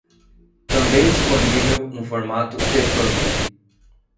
também disponível no formato ePub